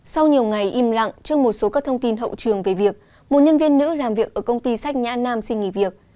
sau nhiều ngày im lặng trước một số các thông tin hậu trường về việc một nhân viên nữ làm việc ở công ty sách nhã nam xin nghỉ việc